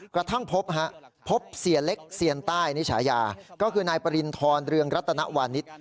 กระทั่งพบเสียเล็กเซียนใต้นิฉายาก็คือนายปริณฑรเรืองรัตนวานิส